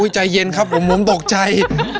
ใจเย็นครับผมผมตกใจ